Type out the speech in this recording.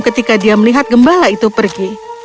ketika dia melihat gembala itu pergi